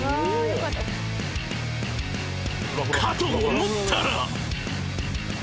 ［かと思ったら］